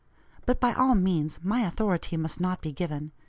But by all means my authority must not be given.